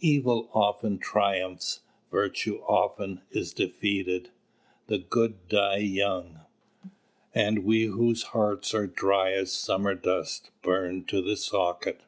Evil often triumphs. Virtue often is defeated. "The good die young, And we whose hearts are dry as summer dust Burn to the socket."